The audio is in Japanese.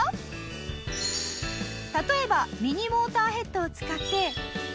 例えばミニモーターヘッドを使って。